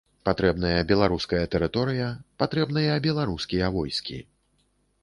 Патрэбная беларуская тэрыторыя, патрэбныя беларускія войскі.